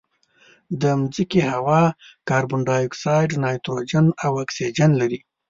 د مځکې هوا کاربن ډای اکسایډ، نایتروجن او اکسیجن لري.